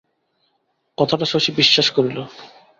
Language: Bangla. কথাটা শশী বিশ্বাস করিল।